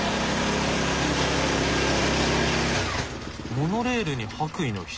モノレールに白衣の人？